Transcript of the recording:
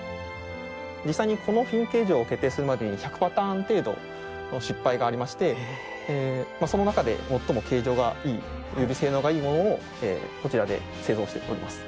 実際にこのフィン形状を決定するまでに１００パターン程度失敗がありましてその中で最も形状がいいより性能がいいものをこちらで製造しております。